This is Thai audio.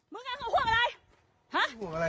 มึงเอาห่วงอะไร